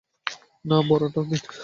না, বড়টা দিন!